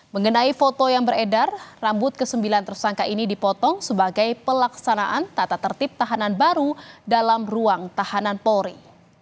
mengenai foto yang beredar rambut ke sembilan tersangka ini dipotong sebagai pelaksanaan tata tertib tahanan baru dalam ruang tahanan polri